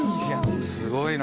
すごいな。